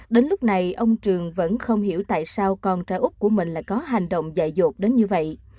đến lúc này ông trường vẫn không hiểu tại sao con trai út của mình là có hành động dạy dột đến như vậy